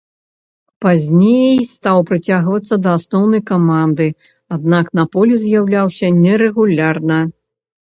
Пазней стаў прыцягвацца да асноўнай каманды, аднак на полі з'яўляўся нерэгулярна.